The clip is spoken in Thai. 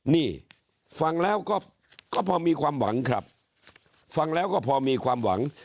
นี่ฟังแล้วก็พอมีความหวังครับฟังแล้วก็พอมีความหวัง